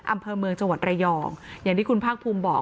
อำเภอเมืองจังหวัดระยองอย่างที่คุณภาคภูมิบอก